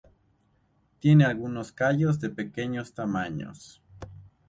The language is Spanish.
Tiene algunos cayos de pequeños tamaño.